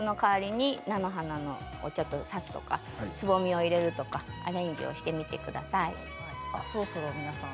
お内裏様もお扇子の代わりに菜の花をちょっと挿すとかつぼみを入れるとかアレンジをしてみてください。